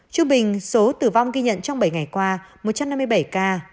trung bình số tử vong ghi nhận trong bảy ngày qua một trăm năm mươi bảy ca